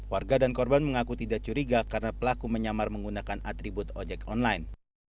warga dan korban mengaku tidak curiga karena pelaku menyamar menggunakan atribut ojek online